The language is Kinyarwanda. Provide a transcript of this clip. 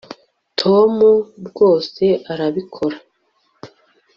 tom rwose arabikora